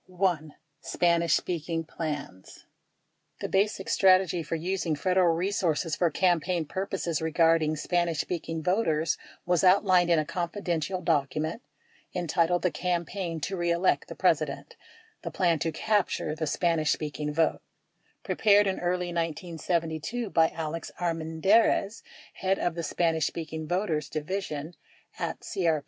1. SPANISH SPEAKING PLANS The basic strategy for using Federal resources for campaign pur poses regarding Spanish speaking voters was outlined in a confidential document entitled "The Campaign To Re elect the President, The Plan To Capture the Spanish Speaking Vote" 43 prepared in early 1972 by Alex Armendariz, head of the Spanish speaking voters di vision at CRP.